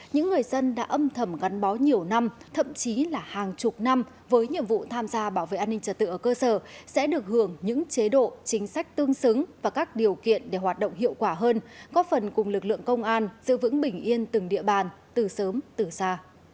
những người dân đã âm thầm gắn bó nhiều năm thậm chí là hàng chục năm với nhiệm vụ tham gia bảo vệ an ninh trật tự ở cơ sở sẽ được hưởng những chế độ chính sách tương xứng và các điều kiện để hoạt động hiệu quả hơn góp phần cùng lực lượng công an giữ vững bình yên từng địa bàn từ sớm từ xa